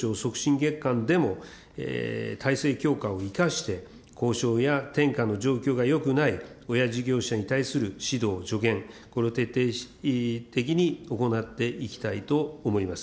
月間でも、体制強化を生かして、交渉や転嫁の状況がよくない親事業者に対する指導、助言、これを徹底的に行っていきたいと思います。